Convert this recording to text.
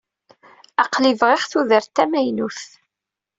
Aql-i bdiɣ tudert tamaynut.